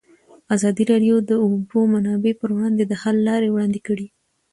ازادي راډیو د د اوبو منابع پر وړاندې د حل لارې وړاندې کړي.